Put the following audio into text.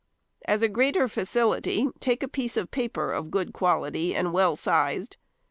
As a greater facility, take a piece of paper of good quality and well sized.